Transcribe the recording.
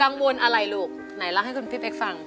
กังวลอะไรลูกไหนละให้คุณพี่พิมเฟซสั่ง